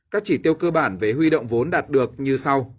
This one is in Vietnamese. các chỉ tiêu cơ bản về huy động vốn đạt được như sau